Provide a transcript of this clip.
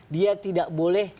dia tidak boleh